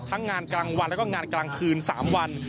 งานกลางวันแล้วก็งานกลางคืน๓วัน